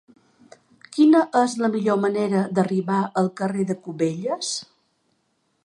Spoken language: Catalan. Quina és la millor manera d'arribar al carrer de Cubelles?